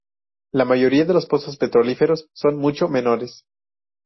La mayoría de los pozos petrolíferos son mucho menores.